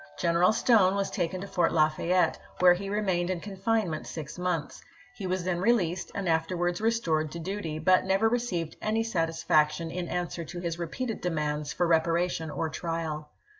General Stone was taken to Fort Lafayette, where he remained in confinement six months ; he was then released and afterwards restored to duty, but never received any satisfaction in answer to his repeated demands for reparation or trial.